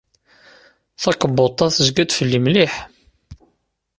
Takebbuḍt-a tezga-d fell-i mliḥ.